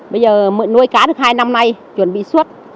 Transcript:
bây giờ nuôi cá được hai năm nay chuẩn bị suốt